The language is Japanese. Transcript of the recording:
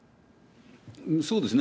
そうですね。